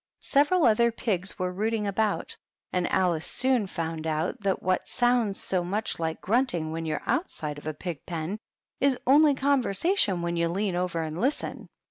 Several other pigs were rooting about, and Alice soon found out that what sounds so much like grunting when you are outside of a pig pen, is only conversation when you lean over and listen.